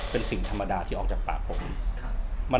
เป็นสิ่งธรรมดาที่ออกจากปากผม